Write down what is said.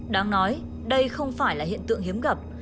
đáng nói đây không phải là hiện tượng hiếm gặp